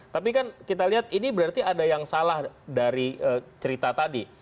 tapi kan kita lihat ini berarti ada yang salah dari cerita tadi